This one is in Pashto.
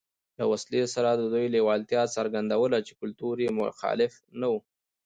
له وسلې سره د دوی لېوالتیا څرګندوله چې کلتور یې مخالف نه و